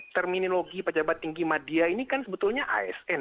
terminologi pejabat tinggi media ini kan sebetulnya asn